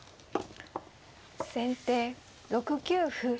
先手６九歩。